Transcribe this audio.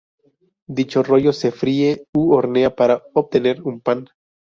Dicho rollo se fríe u hornea para obtener un pan.